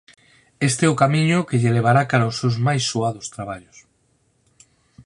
Este é o camiño que lle levará cara aos seus máis soados traballos.